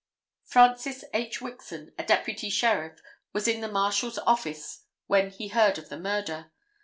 Francis H. Wixon, a deputy sheriff, was in the Marshal's office when he heard of the murder.